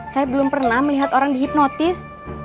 saya belum pernah melihat orang dihipnotis